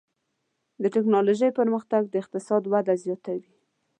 د ټکنالوجۍ پرمختګ د اقتصاد وده زیاتوي.